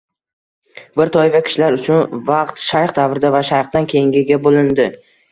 Bir toifa kishilar uchun vaqt “shayx davrida va shayxdan keyin”ga bo‘lindi.